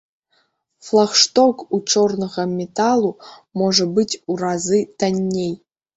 Флагшток з чорнага металу можа быць у разы танней!